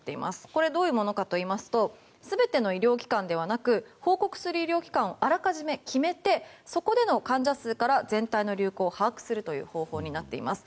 これ、どういうものかというと全ての医療機関ではなく報告する医療機関をあらかじめ決めてそこでの患者数から全体の流行を把握する方法になっています。